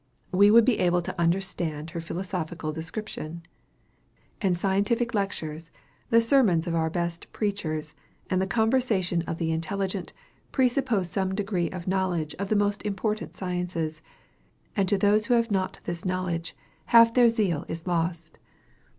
We would be able to understand her philosophical description. And scientific lectures, the sermons of our best preachers, and the conversation of the intelligent, presuppose some degree of knowledge of the most important sciences; and to those who have not this knowledge, half their zest is lost.